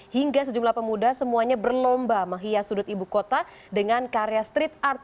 hingga sejumlah pemuda semuanya berlomba menghias sudut ibu kota dengan karya street art